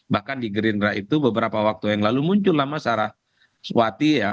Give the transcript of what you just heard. bahkan di gerindra itu beberapa waktu yang lalu muncul nama saraswati